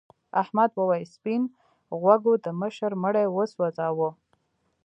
احمد وویل سپین غوږو د مشر مړی وسوځاوه.